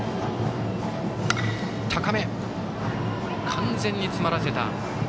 完全に詰まらせた。